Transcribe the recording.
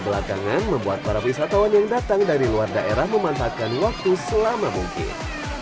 belakangan membuat para wisatawan yang datang dari luar daerah memanfaatkan waktu selama mungkin